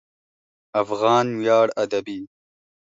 افغان ویاړ ادبي